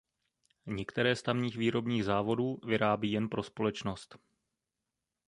Některé z tamních výrobních závodů vyrábí jen pro společnost.